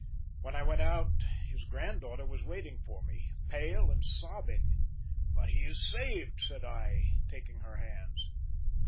"When I went out his granddaughter was waiting for me, pale and sobbing.—"'But he is saved,' said I, taking her hands.